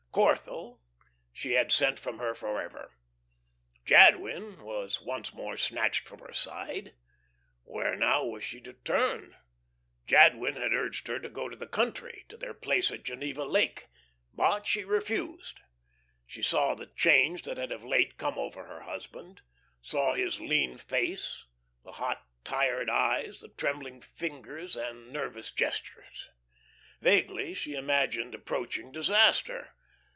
Corthell she had sent from her forever. Jadwin was once more snatched from her side. Where, now, was she to turn? Jadwin had urged her to go to the country to their place at Geneva Lake but she refused. She saw the change that had of late come over her husband, saw his lean face, the hot, tired eyes, the trembling fingers and nervous gestures. Vaguely she imagined approaching disaster.